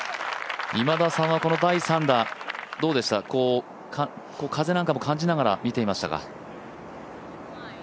今田さんはこの第３打どうでした、風なんかも感じながら見ていましたか？